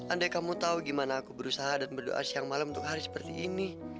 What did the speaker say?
andai kamu tahu gimana aku berusaha dan berdoa siang malam untuk hari seperti ini